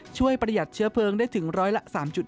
ประหยัดเชื้อเพลิงได้ถึงร้อยละ๓๗